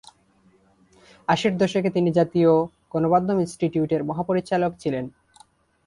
আশির দশকে তিনি জাতীয় গণমাধ্যম ইনস্টিটিউটের মহাপরিচালক ছিলেন।